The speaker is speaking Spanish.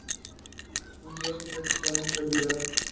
Un viaje prácticamente olvidado.